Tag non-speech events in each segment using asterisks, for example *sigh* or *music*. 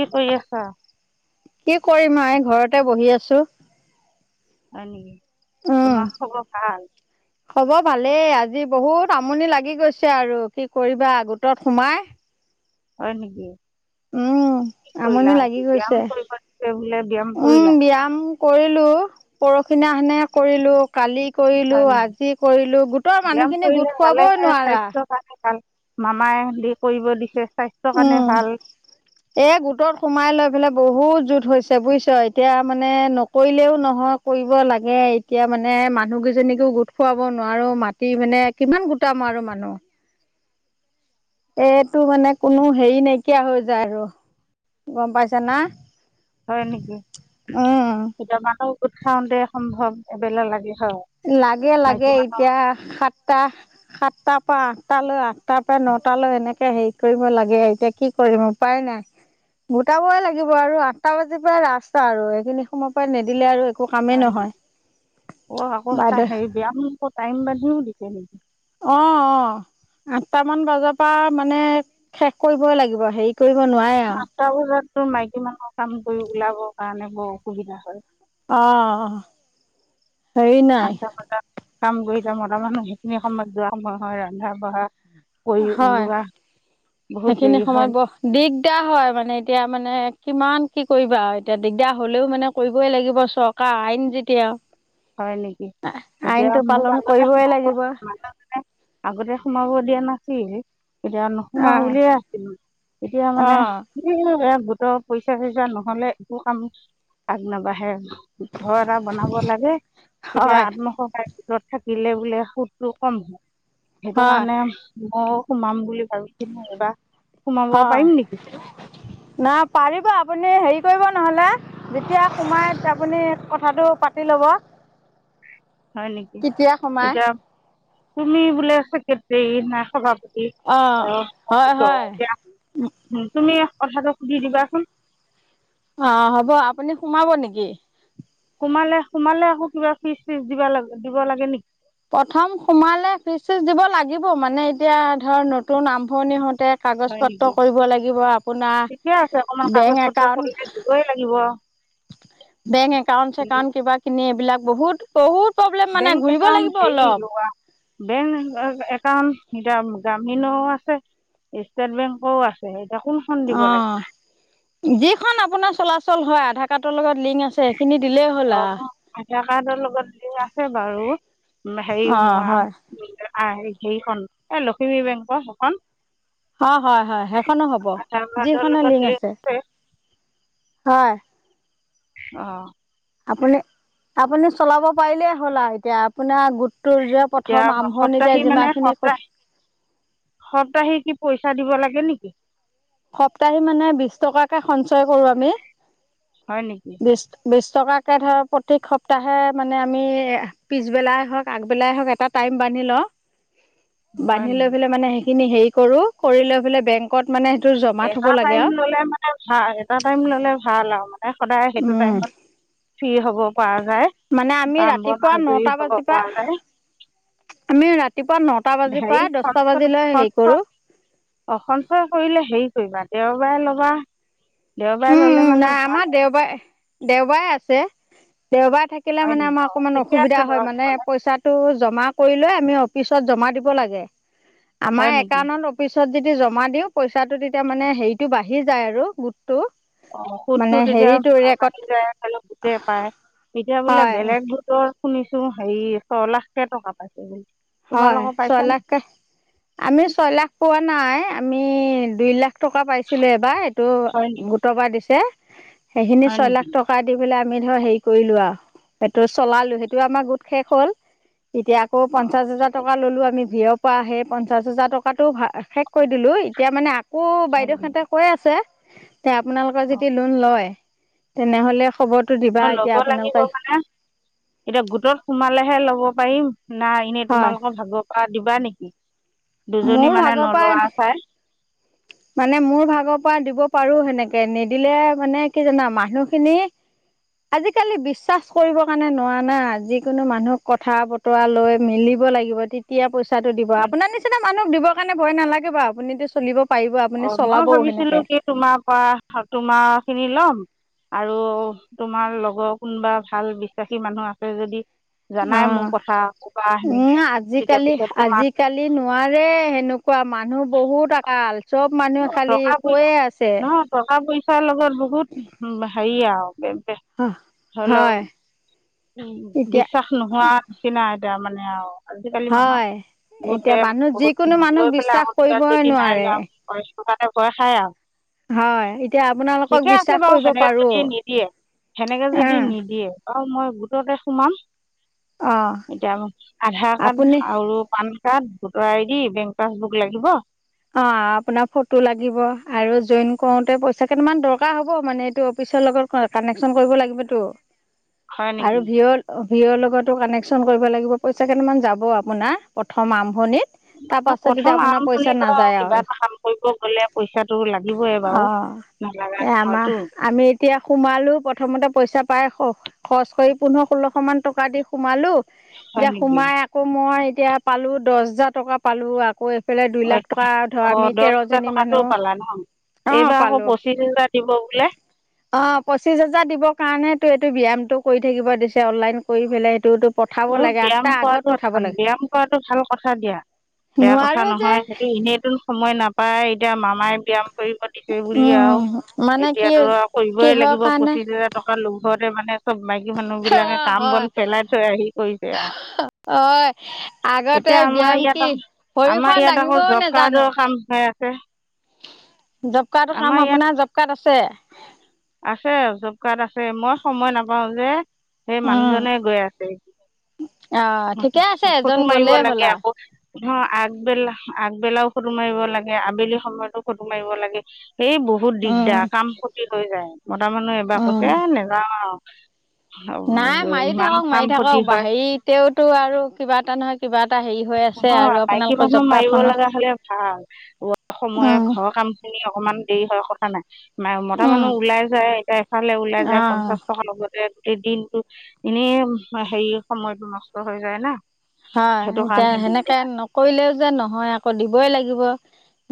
কি কৰি আছ কি কৰিম নো ঘৰতে বহি আছো। হয় নেকি উম তোমাৰ খবৰ ভাল খবৰ ভালেই আছে আজি বহুত আমনি লাগি গৈছে আৰু কি কৰিবা গোটত সোমাই। হয় নেকি উম কি কৰিলা আমনি আজি লাগি ব্যায়াম গৈছে, কৰিব দিছে বোলে ব্যায়াম উম কৰিলা ব্যায়াম কৰিলো। পৰখি দিনাখনে কৰিলো কালি কৰিলো হয় নেকি আজি কৰিলো গোটৰ ব্যায়াম মানুহ খিনি কৰিলে গোট খোৱাবই ভালেহে নোৱাৰা। স্বাস্থ্যৰ কাৰণে ভাল মামাই দি কৰিব দিছে স্বাস্থ্যৰ কাৰণে উম ভাল এ গোটত সোমাই লৈ এইফালে বহুত জোত হৈছে বুজিছ এতিয়া মানে নকৰিলেও নহয় কৰিব লাগে এতিয়া মানে মানুহ কেইজনীকও গোট খুৱাব নোৱাৰো মাটি মানে কিমান গোটাম আৰু মানুহ এইটো মানে কোনো হেৰি নাইকিয়া হৈ যায় আৰু গম পাইছে না হয় নেকি উম। গোট মানুহ গোট খাওতে সম্ভৱ এবেলা লাগে হয় লাগে লাগে মাইকী মানুহ এতিয়া সাতটা সাতটাৰ পৰা আঠটা লৈ আঠটাৰ পৰা নটা লৈ এনেকে হেৰি কৰিব লাগে এতিয়া কি কৰিম উপাই নাই গোটাবই লাগিব আৰু আঠটা বাজি পৰা ৰাস্তা আৰু সেইখিনি সময় পৰা নিদিলে আৰু কামেই হয় নহয়। নেকি ক আকৌ হে বাইদেউ হেৰি বায়াম টাইমো বান্ধি দিছে নি *unintelligible* অ অ আঠটামান বজাৰ পৰা মানে শেষ কৰিবই লাগিব হেৰি কৰিব নোৱাৰে আও তোৰ মাইকী মানুহৰ কাম কৰি ওলাবৰ কাৰণে বৰ অসুবিধা হয়। অহ আঠটা বজাত কাম গৈ মটা মানুহ সেইখিনি সময়ত যোৱা সময় হয় ৰন্ধা- বঢ়া কৰি হয় ওলোৱা বহুত সেইখিনি দেৰি হয় সময়ত বৰ দিগদাৰ হয় মানে এতিয়া মানে কিমান কি কৰিবা আৰু এতিয়া দিগদাৰ হ'লেও মানে কৰিবই লাগিব চৰকাৰ আইন যেতিয়া হয় নেকি এতিয়া আইনটো মোক পালন আগতে কৰিবই সকলো লাগিব যোনে - যোনে আগতে সোমাব দিয়া নাছিল । এতিয়া নোসোমাও অঁ বুলিয়ে আছিলো, এতিয়া মানে অঁ এ গোটৰ পইচা-চইচা নহলে একো কাম আগ নাবাঢ়ে আৰু ঘৰ এটা বনাব লাগে এতিয়া হয় আত্মসহায়ক গোটত থাকিলে বোলে সুতটো কম হয় সেইটো হয় কাৰণে মই সোমাম বুলি ভাবিছিলোঁং এইবা সোমাব হয় পাৰিম নেকি? নাই পাৰিব, আপুনি হেৰি কৰিব নহ'লে, যেতিয়া সোমাই আপুনি কথাটো পাতি ল'ব । হয় নেকি, এতিয়া তুমি বোলে চেক্ৰেটেৰী না সভাপতি! অঁ অ' হয় হয় এতিয়া তুমিয়ে কথাটো সুধি দিবাচোন । অ হ'ব, আপুনি সোমাব নেকি? সোমালে, সোমালে আকৌ কিবা ফিজ চিজ দিবা লাগিব, দিব লাগে নেকি? প্ৰথম সোমালে ফিচ-চিচ দিব লাগিব, মানে এতিয়া, ধৰ নতুন আৰম্ভণি হওঁতে হয় কাগজ-পত্ৰ নেকি কৰিব লাগিব, ঠিকে আছে অকণমান আপোনাৰ কাগজ বেংক পত্ৰ কৰিলে একাউণ্ট দিবই লাগিব বেংক একাউণ্ট, চেকাউণ্ট কিবা খিনি এইবিলাক বহুত, বহুত প্ৰব্লেম মানে বেংক ঘূৰিব একাউণ্ট লাগিব হেৰি, অলপ লোৱা, বেং একা কাৰণ এতিয়া গ্ৰামীণও আছে। ষ্টেট বেংকৰও আছে । অ' যিখন আপোনাৰ চলাচল হয়, আধাৰ কাৰ্ডৰ লগত লিংক আছে সেইখিনি দিলেই হ'ল অ' আৰু আধাৰ কাৰ্ডৰ লগত লিংক আছে বাৰু । হেৰি অ মোৰ হয় আ অ'হ হেৰিখন। এ লখিমী বেংকৰ সেইখন অ' হয়! হয়! সেইখনো হ'ব। আধাৰ কাৰ্ডৰ যিখনে লগত লিংক আছে, হয়। অ'। আপুনি, আপুনি চলাব পাৰিলেই হ'ল আৰু এতিয়া আপোনাৰ গোট এতিয়া সপ্তাহি মানে সপ্তাহ, সপ্তাহিক কি পইচা দিব লাগে? থাকে নেকি? সপ্তাহি মানে, বিশ টকাকে সঞ্চয় কৰোঁ আমি। হয় নেকি বিছ, বিছ বিছ টকাকে ধৰক, প্ৰত্যেক সপ্তাহে মানে, আমি পিছবেলাই হওঁক, আগবেলাই হওঁক, এটা টাইম বান্ধি লওঁ। হয় বান্ধি লৈ নেকি পেলাই মানে সে খিনি হেৰি কৰোঁ, কৰি লৈ পেলাই বেংকত মানে জমা থ'ব এটা লাগে টাইম আৰু ল'লে মানে ভাল। এটা টাইম ল'লে ভাল আৰু। সদায় সেইটো উম, টাইমত, ফ্ৰী হ'ব। *unintelligible* মানে আমি কাম বন ৰাতিপুৱা আজৰি নটা হ'ব বাজিব পা, পৰা যায় আমি ৰাতি হেৰি সনচন কৰোঁ সঞ্চয় কৰিলে হেৰি কৰিবা দেওবাৰে ল'বা দেওবাৰে ললে মানে নাই আমাৰ ভাল হয় দেওবাৰে দেওবাৰে আছে। দেওবাৰ থাকিলে হয় মানে নেকি আমাৰ অঁ অকণমান ঠিকে আছে অসুবিধা হয় বাৰু মানে নহ'লে পইচাটো জমা কৰি লৈ আমি অফিচত জমা দিব লাগে আমাৰ হয় নেকি একানত অফিচ পিছত যেতিয়া জমা দিওঁ পইচা টো তেতিয়া মানে হেৰিটো বাঢ়ি যায় আৰু। অ সুতটো মানে তেতিয়া হেৰিটো বাঢ়ি ৰেকৰ্ড যায়, খ সোতে পায় এতিয়া বোলে হয় বেলেগ গোটৰ। শুনিছো হেৰি ছয় লাখকে টকা পাইছেো বুলি হয় ছয় লাখ আমি ছয় লাখ পোৱা নাই আমি দুই লাখ টকা পাইছিলো এইবাৰ এইটো হয় নেকি ভুটৰবাৰ দিছে সেইখিনি হয় ছয় লাখ নেকি টকা দি পেলাই আমি ধৰা হেৰি কৰিলো আৰু সেইটো চলালো সেইটো আমাৰ গোট শেষ হ'ল এতিয়া আকৌ পঞ্চ হাজ টকা ললো আমি আমি ভিয় পৰা সেই পঞ্চাছ হাজাৰ টকাটো শেষ কৰি দিলোঁ এতিয়া মানে। আকৌ বাইদেউহেঁতে কৈ আছে। তে আপোনালোকৰ যদি লোন লয় তেনেহলে খবৰটো ম দিবা এতিয়া ল'ব লাগিব আপোনালোকে মানে এতিয়া গোটত সোমালেহে লব পাৰিম নাই এনেই হয় তোমালোকৰ ভাগৰ পৰা দিবা নেকি? *inaudible* মোৰ দুজনী মানে ভাগৰ পৰা নলৰা চাই মানে মোৰ ভাগৰ পৰা দিব পাৰো সেনেকে নিদিলে মানে কি জানা মানুহখিনি আজিকালি বিশ্বাস কৰিব কাৰণে নোৱাৰ না যিকোনো মানুহক কথা বতৰা লৈ মিলিব লাগিব তেতিয়া পইচা। চাটো দিব আপোনাৰ নিচিনা মানুহক দিব। স কাৰণে ভয় নালাগে বাৰু আপুনি যে চলিব পাৰিব আপুনি অ মই চলাবও সেনেকে ভাবিছিলো কি তোমাৰ পৰা তোমাৰ খিনি লম। আৰু তোমাৰ লগৰ কোনোবা ভাল বিশ্বাসী মানুহ আছে যদি। জানাই অ মোৰ কথা ক'বা সেনেকে উম তেতিয়া আজিকালি পিছত তোমাক আজিকালি নোৱাৰে সেনেকুৱা মানুহ বহুত আঁ চব মানুহে খালি কৈয়ে আছে। সচাৰ লগত বহুত উ হেৰি আৰু হলও হয় এতিয়া বিশ্বাস নোহোৱা নিচিনা এতিয়া মানে আৰু আজিকালি মানুহ হয় বহুতে এতিয়া মানুহ বহুত যিকোনো মানুহক বিশ্বাস কৰিবই নোৱাৰে ব কাৰণে ভয় খায় আৰু হয় এতিয়া আপোনালোকক ঠিকে বিশ্বাস আছে বাৰু কৰিব সেনেকে পাৰোঁ যদি নিদিয়ে সেনেকে যদি নিদিয়ে বাৰু মই লগকে সোমাম অঁ এতিয়া আধাৰ কাৰ্ড আপুনি আৰু পান কাৰড ভোটৰ আইড বেংক পছবুক লাগিব অ আপোনাৰ ফটো লাগিব আৰু জইন কৰোতে পইচা কেইটামান দৰকাৰ হ'ব মানে এইটো অফিচৰ লগত কানেকশ্যন কৰিব লাগিবতটো হয় আৰু নেকি ভিয়ত ভিঅ'ৰ লগতো কানেকশ্যন কৰিব লাগিব পইচা কেইটামান যাব আপোনাৰ প্ৰথম আৰম্ভণিত তাৰ পাছত প্ৰথম যেতিয়া আপোনাৰ পইচা আৰম্ভণিটো আৰু নাযায় আও কিবা এটা কাম কৰিব গ'লে পইচাটো লাগিবই হ বাৰু নালাগা এতিয়া আমা নহয়তো আমি এতিয়া সোমালো প্ৰথমতে পইচা পইচা পাই খৰচ কৰি পোন্ধৰ ষোল্লশ মান টকা দি সোমালো হয় এতিয়া নেকি সোমাই আকৌ মই এতিয়া পালো দহ হাজাৰ টকা পালো আকৌ এইফালে বা আচ্ছা, বা ধৰ অ অঁ আমি দহ তেৰ হাজাৰ জনী টকাটো মানুহ পালা ন অ এইবাৰ আকৌ পালো পঁচিছ হাজাৰ দিব বোলে অ পঁচিশ হোজাৰ দিবৰ কাৰণে। টো এইটো ব্যায়ামটো কৰি থাকিব দিছে অনলাইন কৰি পেলাই সেইটোতো। পঠাব লাগে ব্যায়াম আঠটাৰ আগত কৰাটো পঠাব লাগে ব্যায়াম কৰাটো ভাল কথা দিয়া বেয়া কথা নোৱাৰোঁ যে নহয় সেইটো এনেই। নতুন সময় নাপায় এতিয়া মামাই ব্যায়াম। কৰিব দিছে বুলি আৰু উম মানে কি এতিয়াতো আৰু কৰিবই কিহৰ লাগিব কাৰণে পঁচিশ হোজাৰ টকা লব। ঘৰে মানে। চব মাইকী মানুহ বিলাকে কাম বন হয় পেলাই থৈ আহি। কৰিছে আৰু অঁ আগতে এতিয়া আমাৰ ব্যায়াম ইয়াত কি আকৌ ভৰিখন দাঙিবও নোজানো। আছেঁ। জব কাৰ্ডৰ কাম আপোনাৰ জব কাৰ্ড আ। ছে। আছে জব কাৰ্ড আছে মই সময় নাপাওঁ যে। সেই মানুহজনে গৈ আছে অ', ঠিকে আছে এজন ফটো মাৰিব গ'লেই হ'ল ।লাগে আৰু আকৌ ন আগবেলা আগবেলাও ফটো মাৰিব লাগে আবেলি সময়তো ফটো মাৰিব লাগে। এই বহুত উম, দিগদাৰ কাম প্ৰতি। হৈ যায়। মতা মানুহ এইবাৰ কৈছে উম। এ নাযাওঁ আও। *inaudible* নাই মাৰি থাকক মাৰি ক্ষতি থাকক হয় হেৰিতেওঁতো আৰু কিবা এটা নহয় কিবা এটা হেৰি হৈ আছে নহয় আৰু মাইকী আপোনালোকৰ মানুহ জব মাৰিব কাৰ্ডখনৰ লগা হলে ভাল বহুত সময় উম, ঘৰৰ কাম খিনি অকণমান দেৰি হোৱাৰ কথা নাই। ম মতা উম। মানুহ ওলাই যায় এতিয়া এফালে ওলাই যায় অ', পঞ্চাশ টকাৰ লগতে দিনতটো এনেই হেৰি সময়টো নষ্ট হৈ যায় না। সেইটো হয়। এতিয়া কাৰণে দিগদাৰ সেনেকে নকৰিলে যে নহয় আক দিবই লাগিব।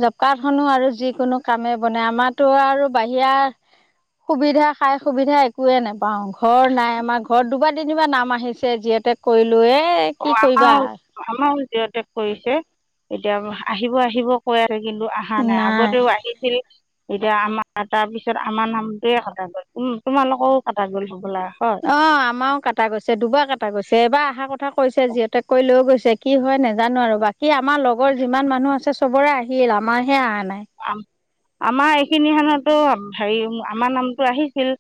জব কাৰ্ড খনো আৰু যিকোনো কামে বনাই, আমাৰো আৰু বাহিৰা সুবিধা খাই সুবিধা একয়ে নেপাও। ঘৰ নাই আমাৰ ঘৰত দুবাৰ তিনিবাৰ নাম আহিছে যিহতে কৰিলো এ অঁ আমাৰ আমা জিৰ টেগ কৰিছে এতিয়া আহিব আহিব কৈ কিন্তু অহা নাই আগতেও আহিছিল। এতিয়া আমাৰ তাৰপিছত আমাৰ নামটোৱে কটা গ'ল। তোমালো কওঁ কটা গ'ল হ'বলা হয় অঁ আমাৰও কটা গৈছে, দুবাৰ কটা গৈছে, এবাৰ অহাৰ কথা। কৈছে যিওঁতেক কৈ লৈ গৈছে। কি হয় নাজানো আৰু? বাকী আমাৰ লগৰ যিমান মানুহ আছে চবৰে আহিল, আমাৰহে অহা নাই। *unintelligible* আমাৰ এইখিনিখনতো হেৰি, আমাৰ নামটো আহিছিল,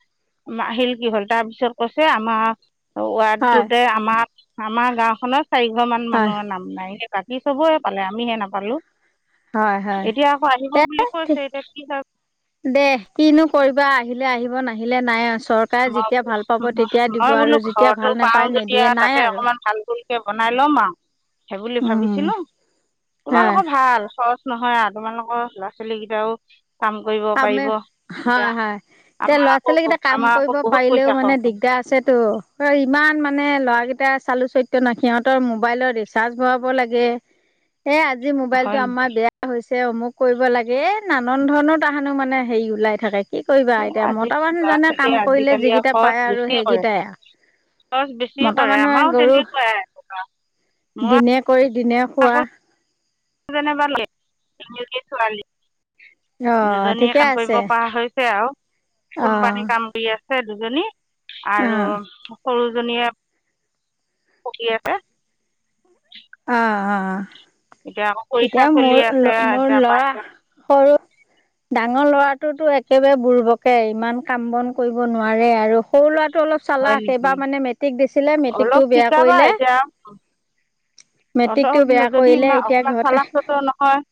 আহিল কি হ'ল তাৰপিছত কৈছে আমাৰ হয় ৱাৰ্ডটোতে আমাৰ আমাৰ গাঁওখনত চাৰিঘৰ মান হয় মানুহৰ নাম নাই বাকী চবয়ে পালে আমিহে নাপালো। হয় হয়। এতিয়া আকৌ আহিব দে বুলি কৈছে এতিয়া কি হয়? দে। কিনো কৰিবা আহিলে আহিব! নাহিলে নাই আ। চৰকাৰে যেতিয়া ভাল পাব মই তেতিয়া মই দিব বোলো আৰু, যেতিয়া ঘৰতো ভাল পাওঁ নোপায় যেতিয়া নিদিয়ে তাতে নাই আৰু। অকণমান ভাল ভুলকৈ বনাই ল'ম আও। সে বুলি উম ভাবিছিলো, হয় তোমালোকৰ ভাল সচ নহয় আ তোমালোকৰ ল'ৰা ছোৱালী কেইটাও কাম কৰিব কামে পাৰিব এতিয়া হয় হয় এতিয়া আমাৰ ল'ৰা আকৌ ছোৱালী কেইটা কাম আমাৰ আকৌ কৰিব বহুত পাৰিলেও পইচা মানে খৰচ হয় দিগদাৰ আছেতো ইমান মানে মানে ল'ৰাকেইটা চালো চৰিত্ৰ ন, সিহঁতৰ মোবাইলৰ ৰিচাৰ্জ ভৰাব লাগে এ আজি মোবাইলটো হয় আমাৰ নেকি বেয়া হৈছে ছে অমোক কৰিব লাগে এ নানন ধৰণৰ তাহানো মানে হেৰি ওলাই থাকে কি কৰিবা এই এতিয়া আজি মতা ল'ৰা মানুহজনে কাম ছোৱালীয়ে কৰিলে আজিকালি আৰু যিকেইটা খৰচ পায় আৰু বেছি কৰে সেইকেইটাই খৰচ বেছি আৱ মতা কৰে মানুহে আমাৰো গৰু তেনেকুৱাই মই দিনে কৰি দিনে খোৱা যেনেবা অ দুজনীয়ে ঠিকে কাম কৰিব আছে পাৰা হৈছে আৱ অ কোম্পানী কাম কৰি আছে সে দুজনী অ আৰু সৰুজনীয়ে পঢ়ি আছে। অ অ *inaudible* এতিয়া আকৌ এতিয়া পৰীক্ষা মোৰ চলি আছে মোৰ ল'ৰা এতিয়া সৰু ডাঙৰ ল'ৰাটোতো একেবাৰে বুৰ্বকে ইমান কাম বন কৰিব নোৱাৰে আৰু সৰু ল'ৰা টো অলপ হয় চালাক নেকি এইবা মানে মেট্ৰিক দিছিলে মেট্ৰিক অলপ টো বেয়া শিকাবা কৰিলে এতিয়া মেট্ৰিকটো অলপ বেয়া যদি কৰিলে ই এতিয়া অকমান ঘৰতে চালাক চৰিত্ৰৰ নহয়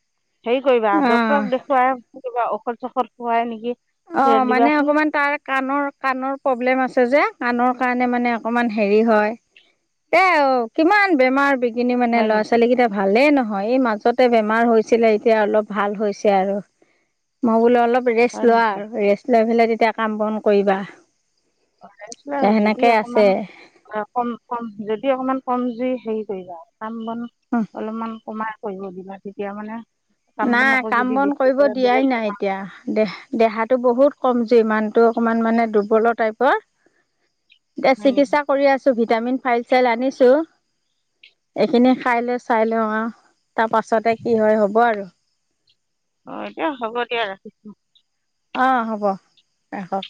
হেৰি কৰিবা অঁ ডক্তৰক দেখুৱাই কিবা ঔষধ চৌষদ খুৱাই নেকি অ মানে দিবাচোন অকমান তাৰ কাণৰ কাণৰ প্ৰব্লেম আছে যে কাণৰ কাৰণে মানে অকমান হেৰি হয় এ কিমান বেমাৰ বি বিঘিনি মানে হয় ল'ৰা নেকি ছোৱালীকেইটা ভালেই নহয় হয় এই মাজতে বেমাৰ হৈছিলে এতিয়া অলপ ভাল হৈছে আৰু মই বোলো অলপ ৰে হয় লোৱা নেকি আৰু ৰেষ্ট লৈ পেলাই। তেতিয়া কাম বন কৰিবা। অ ৰেচ এতিয়া লওক যদি সেনেকৈ আছে অকমান কম কম যদি অকমান কম। জুই সেই কৰিবা কাম বন অঁ অলপমান কমা। কৰিব দিবা তেতিয়া মানে কাম বন নাই আকৌ কাম যদি বন বেছি কৰিব কৰে দিয়াই বেলেগ নাই বেমাৰ এতিয়া দেহ দেহাতো বহুত কমজুৰি মানুহতো অকনমান মানে দুৰ্বলৰ টাইপ। পৰ দে হয় নেকি চিকিৎসা কৰি আছোঁ। ভিটামিন ফাইল চেল আনিছোঁ। এইখিনি খাই লৈ চাই লওঁ আহ তাৰ পাছতে কি হয় হ'ব আৰু অ এতিয়া হ'ব দিয়া ৰাখিছো। অ হ'ব ৰাখক